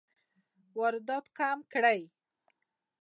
واردات کم کړئ